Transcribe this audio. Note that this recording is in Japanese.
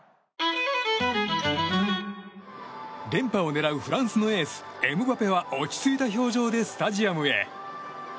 連覇を狙うフランスのエースエムバペは落ち着いた表情でスタジアムへ。